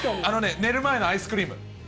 寝る前のアイスクリーム？